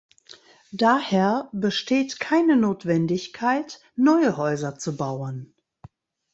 Daher besteht keine Notwendigkeit, neue Häuser zu bauen.